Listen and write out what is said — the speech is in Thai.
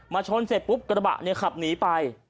มาชนเสร็จกระหบะขับหนีไป